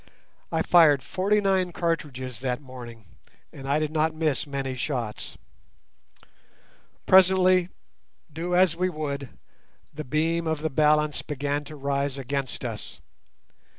I fired forty nine cartridges that morning, and I did not miss many shots. Presently, do as we would, the beam of the balance began to rise against us.